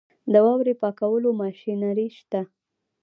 د واورې پاکولو ماشینري شته؟